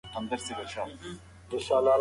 که په کارونو کې اخلاص وي نو برکت پکې راځي.